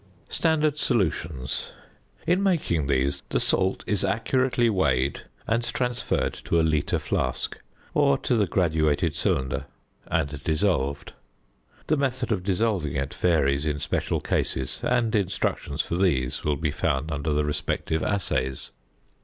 ~Standard Solutions.~ In making these the salt is accurately weighed and transferred to a litre flask, or to the graduated cylinder, and dissolved. The method of dissolving it varies in special cases, and instructions for these will be found under the respective assays.